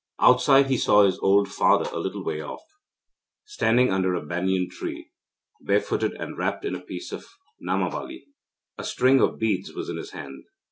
Outside he saw his old father a little way off, standing under a banian tree, barefooted and wrapped in a piece of namabali. A string of beads was in his hand.